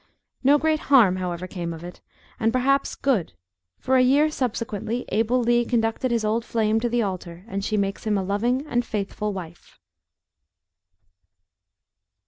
No great harm, however, came of it; and perhaps, good; for a year subsequently, Abel Lee conducted his old flame to the altar, and she makes him a loving and faithful wife.